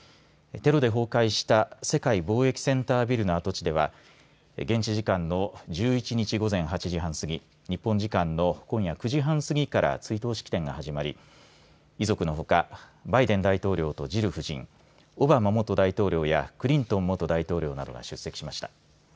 テロで崩壊した世界貿易センタービルの跡地では現地時間の１１日午前８時半過ぎ日本時間の今夜９時半過ぎから追悼式典が始まり遺族のほかバイデン大統領とジル夫人オバマ元大統領やクリントン元大統領が出席しました。